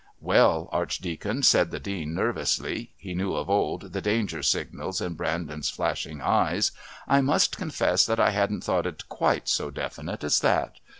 "Well, Archdeacon," said the Dean nervously (he knew of old the danger signals in Brandon's flashing eyes), "I must confess that I hadn't thought it quite so definite as that.